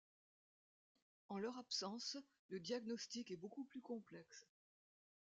En leur absence, le diagnostic est beaucoup plus complexe.